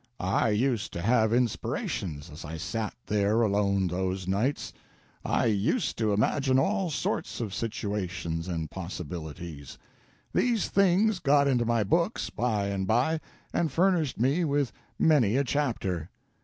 I used to have inspirations as I sat there alone those nights. I used to imagine all sots of situations and possibilities. These things got into my books by and by, and furnished me with many a chapter.